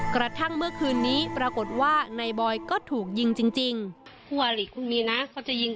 กระทั่งเมื่อคืนนี้ปรากฏว่าในบอยก็ถูกยิงจริง